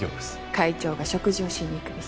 会長が食事をしに行く店。